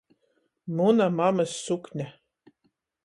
Muna mamys sukne.